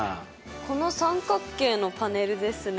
この三角形のパネルですね。